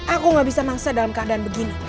aku gak bisa mangsa dalam keadaan begini